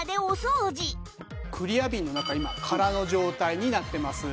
クリアビンの中今空の状態になってます。